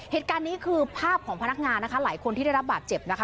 เหตุการณ์นี้คือภาพของพนักงานนะคะหลายคนที่ได้รับบาดเจ็บนะคะ